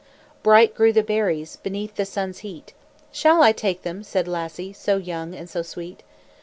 Bright grew the berries Beneath the sun's heat. "Shall I take them?" said Lassie So young and so sweet.